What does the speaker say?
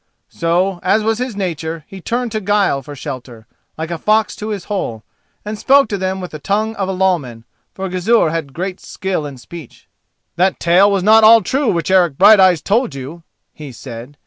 So, as was his nature, he turned to guile for shelter, like a fox to his hole, and spoke to them with the tongue of a lawman; for Gizur had great skill in speech. "That tale was not all true which Eric Brighteyes told you," he said.